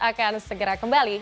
akan segera kembali